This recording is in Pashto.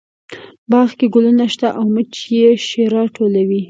باغ کې ګلونه شته او مچۍ یې شیره ټولوي